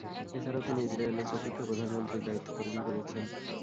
এছাড়াও তিনি ইসরায়েলের চতুর্থ প্রধানমন্ত্রীর দায়িত্ব পালন করেছেন।